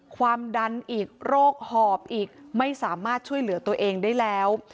ความดันอีกโรคหอบอีกไม่สามารถช่วยเหลือตัวเองได้แล้ว